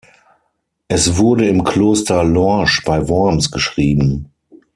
Es wurde im Kloster Lorsch bei Worms geschrieben.